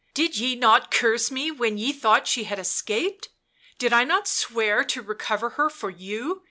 " Did ye not curse me when ye thought she had escaped? did I not swear to recover her for you?